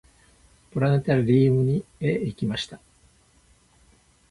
プラネタリウムへ行きました。